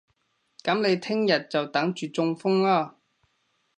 噉你聽日就等住中風啦